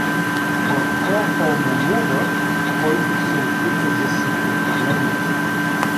Горко ономува, който се опита за съпротивление!